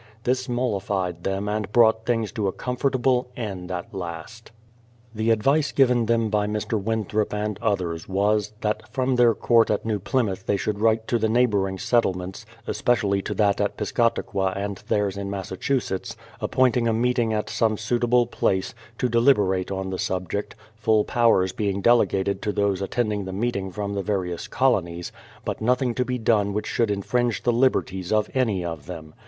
This mollified them and brought things to a comfortable end at last. The advice given them by Mr. Winthrop and others was, that from their court at New Plymouth they should write to the neighbouring settlements, especially to that at Piscataqua and theirs in Massachusetts, appointing a meeting at some suitable place, to deliberate on the sub ject, full powers being delegated to those attending the meeting from the various colonies, but nothing to be done which should infringe the liberties of any of them.